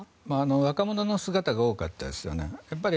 若者の姿が多かったですよね。